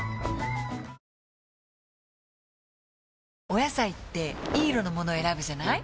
お野菜っていい色のもの選ぶじゃない？